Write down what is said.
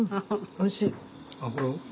おいしい。